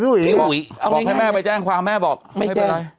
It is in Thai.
บอกให้แม่ไปแจ้งความแม่บอกไม่เป็นไร